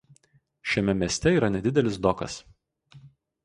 Šiame mieste yra nedidelis dokas.